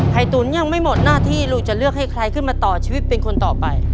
ตุ๋นยังไม่หมดหน้าที่ลูกจะเลือกให้ใครขึ้นมาต่อชีวิตเป็นคนต่อไป